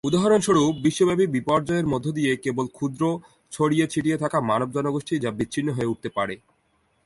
উদাহরণস্বরূপ, বিশ্বব্যাপী বিপর্যয়ের মধ্য দিয়ে কেবল ক্ষুদ্র, ছড়িয়ে ছিটিয়ে থাকা মানব জনগোষ্ঠী যা বিচ্ছিন্ন হয়ে উঠতে পারে।